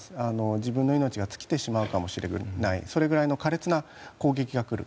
自分の命が尽きてしまうかもしれないそれくらいの苛烈な攻撃が来る。